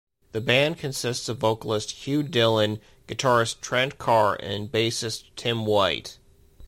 The band consists of vocalist Hugh Dillon, guitarist Trent Carr, and bassist Tim White.